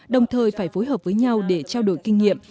đồng thời phải phối hợp với nhau để trao đổi kinh nghiệm